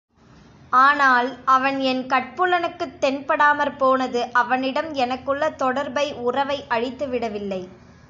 ஆனால் அவன் என் கட்புலனுக்குத் தென்படாமற் போனது அவனிடம் எனக்குள்ள தொடர்பை உறவை அழித்துவிடவில்லை.